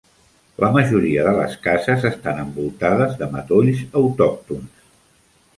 La majoria de les cases estan envoltades de matolls autòctons.